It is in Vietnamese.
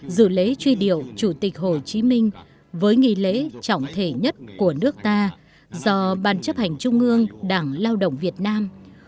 dự lễ truy điệu chủ tịch hồ chí minh với nghị lễ trọng thể nhất của nước ta do ban chấp hành trung ương đảng lao động việt nam